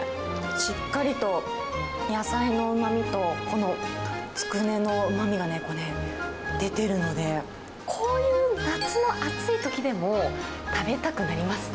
しっかりと野菜のうまみと、このつくねのうまみがね、出てるので、こういう夏の暑いときでも、食べたくなりますね。